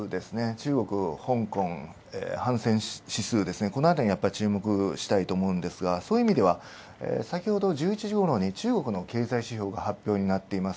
中国、香港このあたりに注目したいと思うんですが、そういう意味では、先ほど１１時ごろに中国の経済指標が発表になっています。